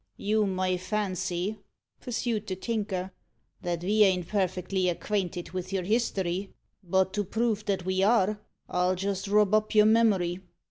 "You may fancy," pursued the Tinker, "that ve ain't perfectly acvainted with your history, but to prove that ve are, I'll just rub up your memory.